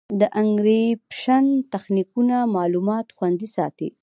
د انکریپشن تخنیکونه معلومات خوندي ساتي.